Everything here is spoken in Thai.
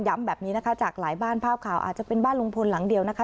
แบบนี้นะคะจากหลายบ้านภาพข่าวอาจจะเป็นบ้านลุงพลหลังเดียวนะคะ